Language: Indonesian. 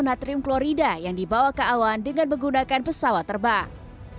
natrium klorida yang dibawa ke awan dengan menggunakan pesawat terbang